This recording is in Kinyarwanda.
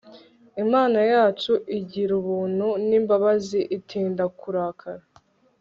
Imana yacu igirubuntu nimbabazi itinda kurakara